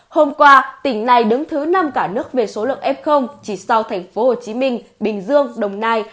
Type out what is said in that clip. hôm qua tỉnh này đứng thứ năm cả nước về số lượng f chỉ sau thành phố hồ chí minh bình dương đồng nai